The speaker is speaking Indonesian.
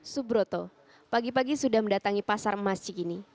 subroto pagi pagi sudah mendatangi pasar emas cik ini